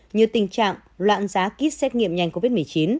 như tình trạng loạn giá kýt xét nghiệm nhanh covid một mươi chín